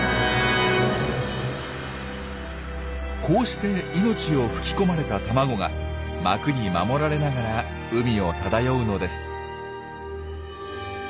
こうして命を吹き込まれた卵が膜に守られながら海を漂うのです。